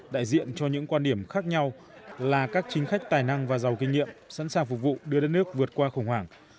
đại diện cho những quan điểm khác nhau là các chính khách tài năng và giàu kinh nghiệm sẵn sàng phục vụ đưa đất nước vượt qua khủng hoảng